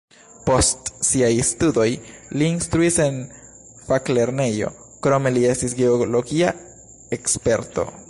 Post siaj studoj li instruis en faklernejo, krome li estis geologia eksperto.